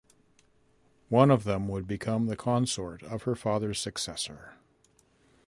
One of them would become the consort of her father's successor.